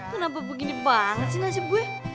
kenapa begini banget sih nasib gue